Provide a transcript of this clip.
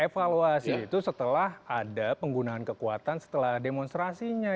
evaluasi itu setelah ada penggunaan kekuatan setelah demonstrasinya